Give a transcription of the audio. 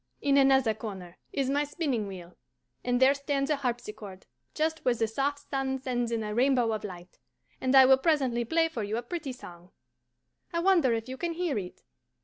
In another corner is my spinning wheel, and there stands a harpsichord, just where the soft sun sends in a ribbon of light; and I will presently play for you a pretty song. I wonder if you can hear it?